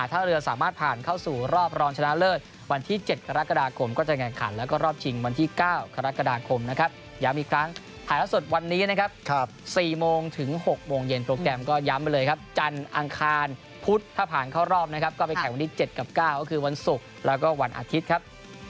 ถ้าผ่านเข้ารอบก็ไปแข่งวันที่เจ็ดกับเก้าก็คือวันศุกร์และวันอาทิตย์ครับ